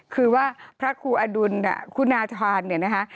คือว่าพระครูอดุลคุณาธารเนี่ยนะคะ